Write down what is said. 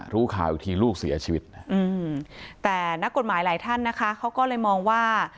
รู้ข่าวอีกทีลูกเสียชีวิตนะแต่นักกฎหมายหลายท่านนะคะเขาก็เลยมองว่า